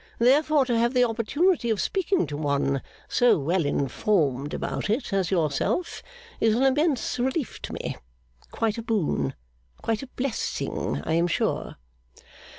Therefore to have the opportunity of speaking to one so well informed about it as yourself, is an immense relief to me. Quite a boon. Quite a blessing, I am sure.